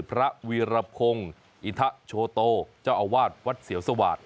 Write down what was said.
พระวิรบคงอิทธะโชโตเจ้าอาวาสวัดเสียวสวาสตร์